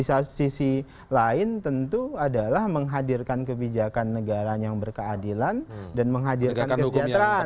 ini tidak bisa dilakukan dengan cara dialog satu sisi di sisi lain tentu adalah menghadirkan kebijakan negara yang berkeadilan dan menghadirkan kesejahteraan